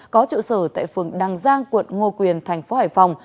có trụ sở tại phường đăng giang quận ngô quyền tp hcm